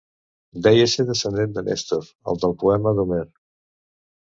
Deia ser descendent de Nèstor, el del poema d'Homer.